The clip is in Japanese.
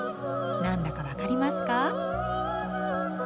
何だか分かりますか？